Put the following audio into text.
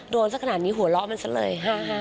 สักขนาดนี้หัวเราะมันซะเลย